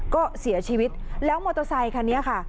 ก็เสียชีวิตแล้วมอเตอร์ไซคันนี้ค่ะ